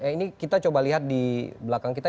ini kita coba lihat di belakang kita